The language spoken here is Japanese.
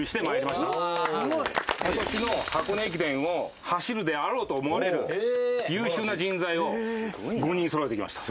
今年の箱根駅伝を走るであろうと思われる優秀な人材を５人そろえてきました。